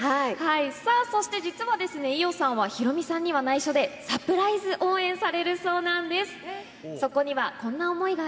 さあ、そして実は伊代さんはヒロミさんにはないしょでサプライズ応援されるそうなんです。